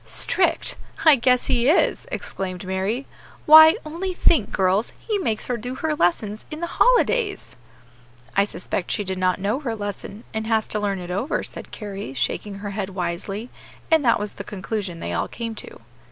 "Strict! I guess he is!" exclaimed Mary; "why, only think, girls, he makes her do her lessons in the holidays!" "I suspect she did not know her lesson, and has to learn it over," said Carry, shaking her head wisely; and that was the conclusion they all came to.